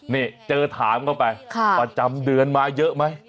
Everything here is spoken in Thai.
นี่เจอถามเข้าไปประจำเดือนมาเยอะไหม